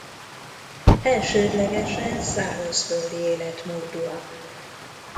Elsődlegesen szárazföldi életmódúak.